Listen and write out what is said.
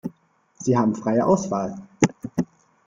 Sie haben freie Auswahl.